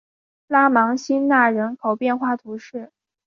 拉芒辛讷人口变化图示